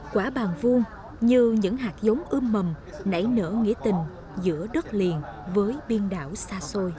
quả bàn vuông như những hạt giống ưm mầm nảy nở nghĩa tình giữa đất liền với biên đảo xa xôi